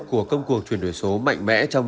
của công cuộc truyền đổi số mạnh mẽ